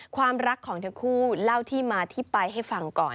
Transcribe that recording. ความรักของทั้งคู่เล่าที่มาที่ไปให้ฟังก่อน